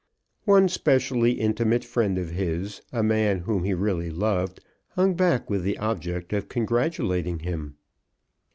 One specially intimate friend of his, a man whom he really loved, hung back with the object of congratulating him.